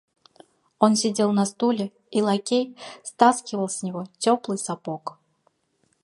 Он сидел на стуле, и лакей стаскивал с него теплый сапог.